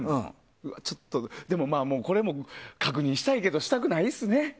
ちょっとでもまあこれも、確認したいけどしたくないですね。